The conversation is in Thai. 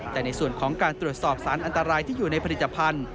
แต่ในส่วนของการตรวจสอบสารอันตรายที่อยู่ในผลิตภัณฑ์